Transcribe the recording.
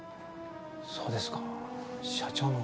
そうですか社長の。